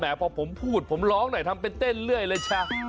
พอผมพูดผมร้องหน่อยทำเป็นเต้นเรื่อยเลยจ้ะ